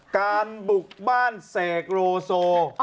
การบุกบ้านเสกโลโซ